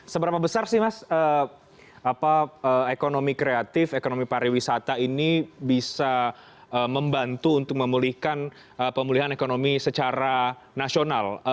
seberapa besar sih mas ekonomi kreatif ekonomi pariwisata ini bisa membantu untuk memulihkan pemulihan ekonomi secara nasional